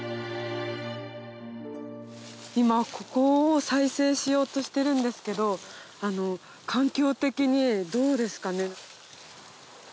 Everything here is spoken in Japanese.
今ここを再生しようとしてるんですけど環境的にどうですかね？